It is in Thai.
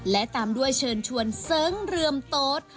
และตามด้วยเชิญชวนเสริงเรือมโต๊ด